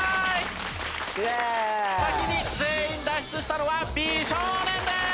先に全員脱出したのは美少年です！